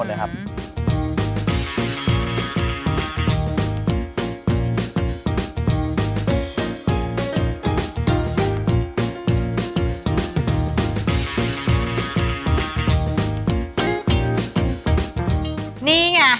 นี่ไง